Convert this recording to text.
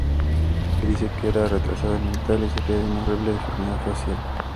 Se dice que era retrasada mental y sufría de una horrible deformidad facial.